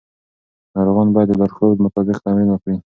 ناروغان باید د لارښود مطابق تمرین وکړي.